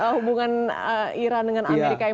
hubungan iran dengan amerika